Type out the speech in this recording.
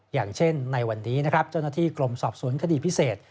อย่างเช่นในวันนี้เจ้าหน้าที่กลมสอบศูนย์คดีพิเศษ